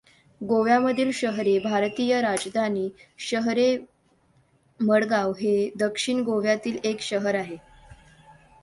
गोव्यामधील शहरे भारतीय राजधानी शहरेमडगांव हे दक्षिण गोव्यातील एक शहर आहे.